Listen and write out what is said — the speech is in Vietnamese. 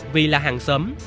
vì là hàng xóm